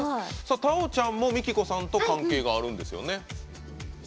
太鳳ちゃんもＭＩＫＩＫＯさんと関係があるんですよね？